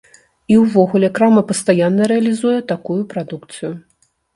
І ўвогуле крама пастаянна рэалізуе такую прадукцыю.